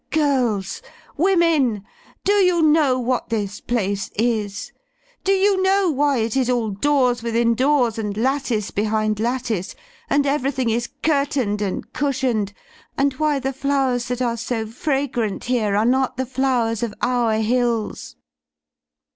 Girls! Women! Do you know what this place is? Do you know why it is all doors within doors and lattice behind lattice; and everything is curtained and cush ioned; and why the flowers that are so fragrant here are not the flowers of our hills?"